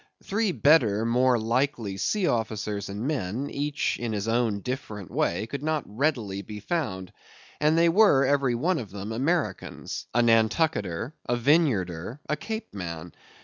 Three better, more likely sea officers and men, each in his own different way, could not readily be found, and they were every one of them Americans; a Nantucketer, a Vineyarder, a Cape man.